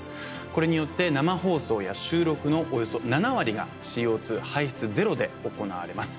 これによって生放送や収録のおよそ７割がＣＯ排出ゼロで行われます。